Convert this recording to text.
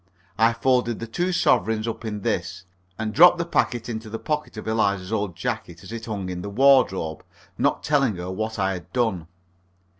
I folded the two sovereigns up in this, and dropped the packet into the pocket of Eliza's old jacket, as it hung in the wardrobe, not telling her what I had done.